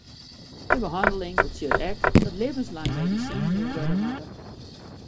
De behanneling betsjut ek dat libbenslang medisinen jûn wurde moatte.